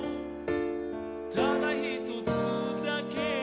「ただひとつだけ」